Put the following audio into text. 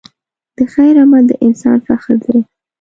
د خیر عمل د انسان فخر دی.